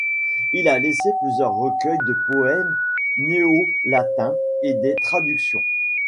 Il a laissé plusieurs recueils de poèmes néo-latins et des traductions.